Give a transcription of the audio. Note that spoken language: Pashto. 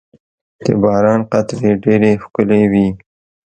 • د باران قطرې ډېرې ښکلي وي.